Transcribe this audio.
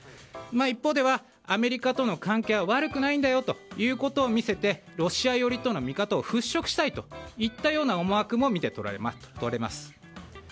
一方ではアメリカとの関係は悪くないんだよということを見せロシア寄りとの見方を払拭したいという思惑も見て取れます。